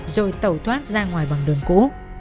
rồi tẩu thoát ra ngoài bằng đường cũ